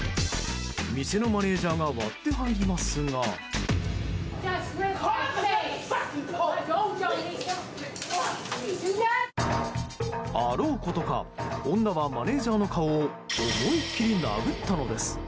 店のマネジャーが割って入りますがあろうことか女客はマネジャーの顔を思い切り殴ったのです。